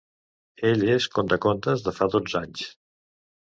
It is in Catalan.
Ell és contacontes de fa dotze anys